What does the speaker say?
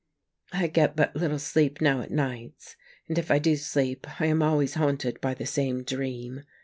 I get but little sleep now at nights, and if I do sleep I am always haunted by the same dream.